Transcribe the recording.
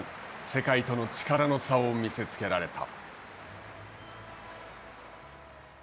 世界との力の差を見せつけられた。